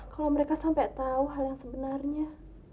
kalau mereka sampai tahu hal yang sebenarnya